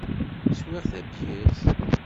Swiɣ tabyirt.